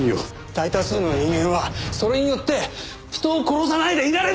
大多数の人間はそれによって人を殺さないでいられます！